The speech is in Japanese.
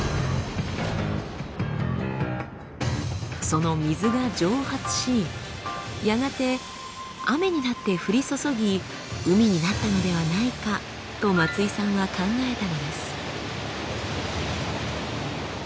その水が蒸発しやがて雨になって降り注ぎ海になったのではないかと松井さんは考えたのです。